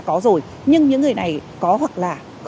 có rồi nhưng những người này có hoặc là